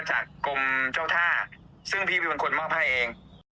จากกรมเจ้าท่าซึ่งพี่เป็นคนมอบให้เอง